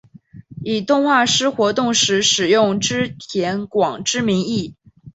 以动画师活动时使用织田广之名义。